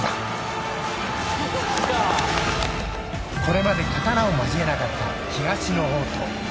［これまで刀を交えなかった東の王と西の鬼］